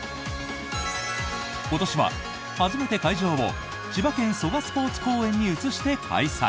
今年は、初めて会場を千葉県・蘇我スポーツ公園に移して開催。